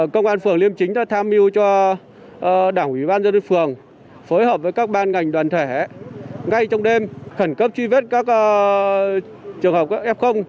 công an phường liêm chính đã tham mưu cho đảng ủy ban dân phường phối hợp với các ban ngành đoàn thể ngay trong đêm khẩn cấp truy vết các trường hợp các f